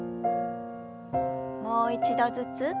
もう一度ずつ。